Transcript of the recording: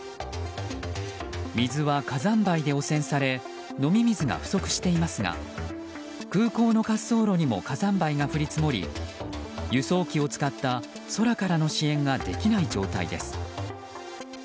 水は、火山灰で汚染され飲み水が不足していますが空港の滑走路にも火山灰が降り積もり輸送機を使った空からの支援ができない状態です。